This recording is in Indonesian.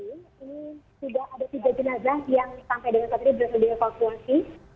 ini sudah ada tiga jenazah yang sampai dengan saat ini belum di evakuasi